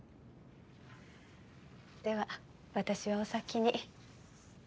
では私はお先に。